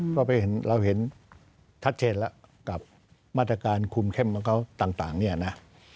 เพราะเราเห็นชัดเจนแล้วกับมาตรการคุมเข้มของเขาต่างเนี่ยนะ